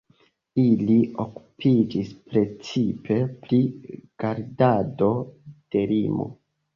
Ili okupiĝis precipe pri gardado de limo.